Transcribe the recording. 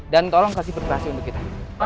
dan tolong kasih perpiasan untuk kita